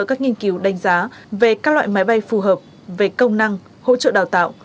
các nghiên cứu đánh giá về các loại máy bay phù hợp về công năng hỗ trợ đào tạo